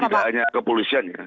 tidak hanya kepolisian ya